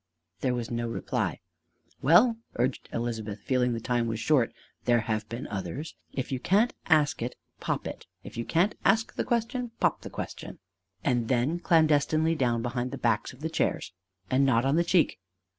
There was no reply. "Well," urged Elizabeth, feeling the time was short (there have been others!), "if you can't ask it, pop it! If you can't ask the question, pop the question." And then clandestinely down behind the backs of the chairs! And not on the cheek!